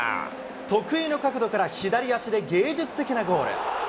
得意の角度から左足で芸術的なゴール。